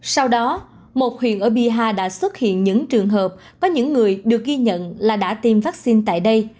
sau đó một huyện ở biaha đã xuất hiện những trường hợp có những người được ghi nhận là đã tiêm vaccine tại đây